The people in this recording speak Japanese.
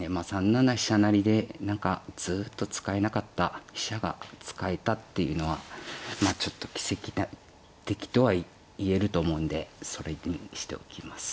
３七飛車成で何かずっと使えなかった飛車が使えたっていうのはまあちょっと奇跡的とは言えると思うんでそれにしておきます。